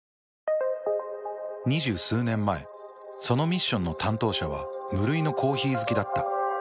２０数年前そのミッションの担当者は無類のコーヒー好きだった。